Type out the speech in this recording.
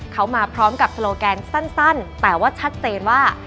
เขามาพร้อมกับโลแกนสั้นแต่ว่าชัดเจนว่า